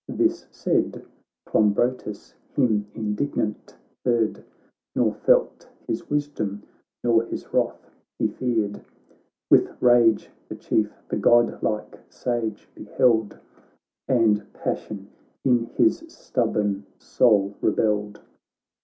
This said, Clombrotus him indignant heard. Nor felt his wisdom, nor his wrath he feared. With rage the Chief, the godlike Sage, beheld. And passion in his stubborn soul re belled.